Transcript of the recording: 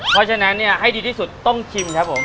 เพราะฉะนั้นให้ดีที่สุดต้องชิมครับผม